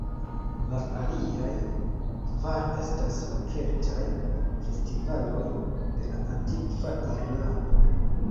La aliaj kvar estas la "keltaj" festivaloj de la antikva Irlando.